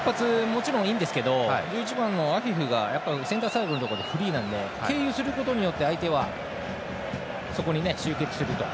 もちろんいいんですけど１１番のアフィフがセンターサイドのところでフリーなので経由することでそこに集結すると。